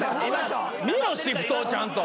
見ろシフトをちゃんと。